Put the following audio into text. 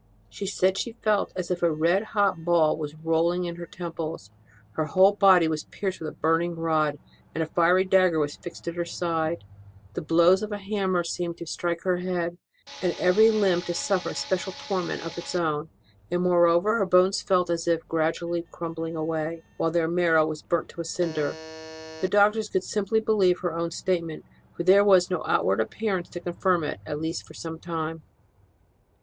She said she felt as if a red hot ball was rolling in her temples, her whole body was pierced with a burning rod, and a fiery dagger was fixed in her left side; the blows of a hammer seemed to strike her head, and every limb to suffer a special torment of its own ; and, moreover, her bones felt as if gradually crumbling away, while their marrow was burnt to a cinder. The doctors could simply believe her own statement, for there was no outward appearance to confirm it, at least for some time.